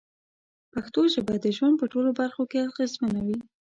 پښتو ژبه د ژوند په ټولو برخو کې اغېزمنه وي.